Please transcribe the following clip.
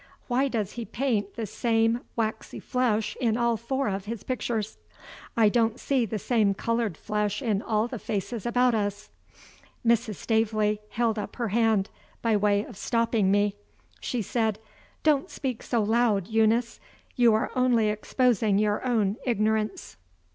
Why does he paint the same waxy flesh in all four of his pictures? I don't see the same colored flesh in all the faces about us." Mrs. Staveley held up her hand, by way of stopping me. She said: "Don't speak so loud, Eunice; you are only exposing your own ignorance."